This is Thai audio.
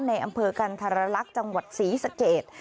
ในอำเภอกันธรรลักษณ์จังหวัดศรีสเกต